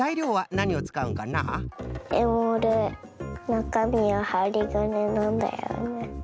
なかみははりがねなんだよね。